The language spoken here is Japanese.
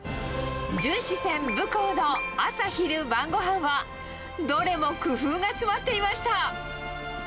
巡視船ぶこうの朝昼晩ごはんは、どれも工夫が詰まっていました。